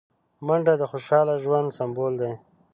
منډه د خوشحال ژوند سمبول دی